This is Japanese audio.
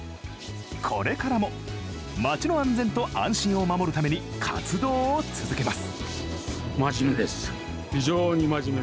これからも街の安全と安心を守るために活動を続けます。